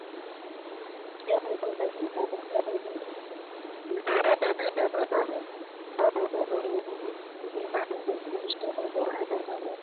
Vijana wa kimasai hutumia ujana wao mwingi kukusanya ngombe